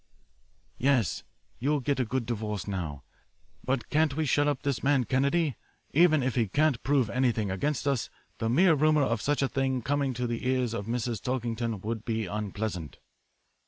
"'Yes, you'll get a good divorce now. But can't we shut up this man Kennedy? Even if he can't prove anything against us, the mere rumour of such a thing coming to the ears of Mrs. Tulkington would be unpleasant.'